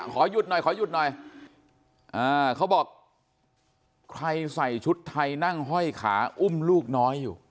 ขอหยุดหน่อยขอหยุดหน่อยเขาบอกใครใส่ชุดไทยนั่งห้อยขาอุ้มลูกน้อยอยู่